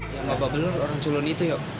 ya mbak babelur orang culon itu yok